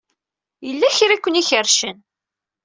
Yella kra ay ken-ikerrcen.